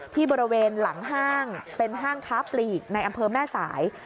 ที่บริเวณหลังห้างเป็นห้างค้าปลีกในอำเภอแม่สาย